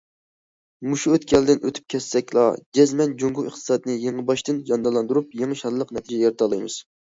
مۇشۇ ئۆتكەلدىن ئۆتۈپ كەتسەكلا، جەزمەن جۇڭگو ئىقتىسادىنى يېڭىباشتىن جانلاندۇرۇپ، يېڭى شانلىق نەتىجە يارىتالايمىز.